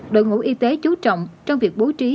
đội ngũ y tế chú trọng trong việc bố trí